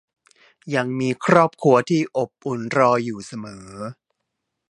ยังมีครอบครัวที่อบอุ่นรออยู่เสมอ